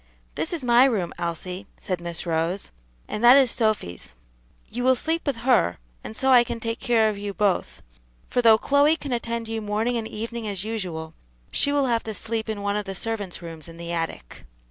"This is my room, Elsie," said Miss Rose, "and that is Sophy's. You will sleep with her, and so I can take care of you both, for though Chloe can attend you morning and evening as usual, she will have to sleep in one of the servants' rooms in the attic."